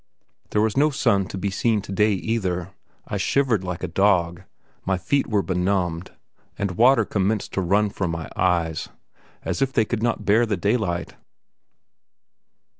There was no sun to be seen today either; I shivered like a dog, my feet were benumbed, and water commenced to run from my eyes, as if they could not bear the daylight.